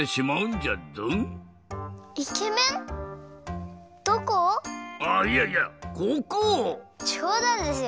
じょうだんですよ。